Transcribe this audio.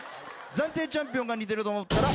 暫定チャンピオンが似てると思ったら赤。